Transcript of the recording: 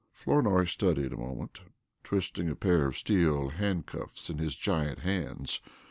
Flournoy studied a moment, twisting a pair of steel handcuffs in his giant hands.